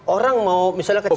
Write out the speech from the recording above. orang mau misalnya kecewa